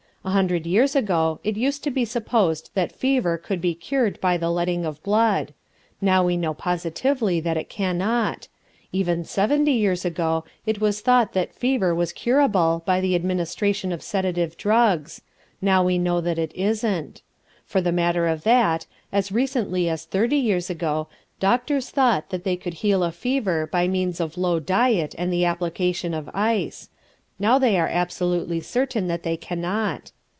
A hundred years ago it used to be supposed that fever could be cured by the letting of blood; now we know positively that it cannot. Even seventy years ago it was thought that fever was curable by the administration of sedative drugs; now we know that it isn't. For the matter of that, as recently as thirty years ago, doctors thought that they could heal a fever by means of low diet and the application of ice; now they are absolutely certain that they cannot.